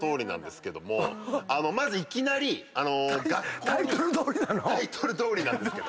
まずいきなり。タイトルどおりなの⁉タイトルどおりなんですけど。